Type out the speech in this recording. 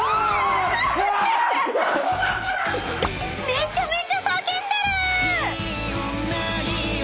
［めちゃめちゃ叫んでる！］